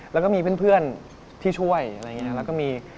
แล้วก็มีเพื่อนที่ช่วยแล้วก็มี